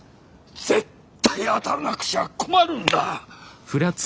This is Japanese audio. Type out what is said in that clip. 絶対当たんなくちゃ困るんだ！